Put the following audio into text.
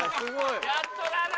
やっとだな。